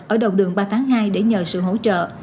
ở đầu đường ba tháng hai để nhờ sự hỗ trợ